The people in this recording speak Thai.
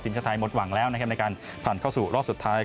ทั้งหมดหวังแล้วนะครับในการผ่านเข้าสู่รอบสุดท้าย